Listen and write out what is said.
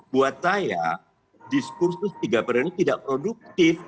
buat saya diskursus tiga periode ini tidak produktif